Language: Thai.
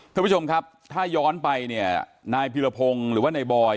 คุณผู้ชมครับถ้าย้อนไปนายพิรพงษ์หรือว่าในบ่อย